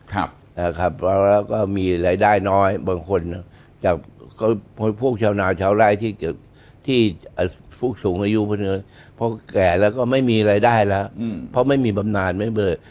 ครับนะครับแล้วก็มีรายได้น้อยบางคนจากก็พวกชาวนาวชาวไร้ที่จะที่พวกสูงอายุเพราะเงินเพราะแก่แล้วก็ไม่มีรายได้แล้วเพราะไม่มีบำนานไม่มีเลย